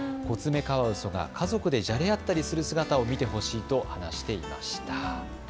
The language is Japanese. コツメカワウソが家族でじゃれ合ったりする姿を見てほしいと話していました。